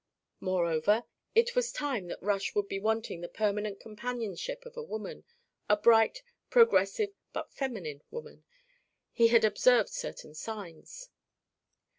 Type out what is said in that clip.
Moreover, it was time that Rush would be wanting the permanent companionship of a woman, a bright, progressive, but feminine woman. He had observed certain signs.